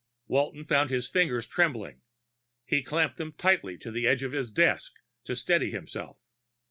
Walton found his fingers trembling; he clamped them tight to the edge of his desk to steady himself.